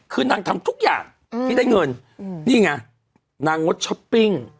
คือนางทำทุกอย่างที่ได้เงินนี่ไงนางงดช้อปปิ้ง